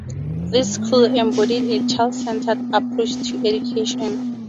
This school embodied a child-centered approach to education.